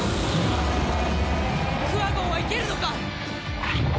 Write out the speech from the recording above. クワゴンはいけるのか？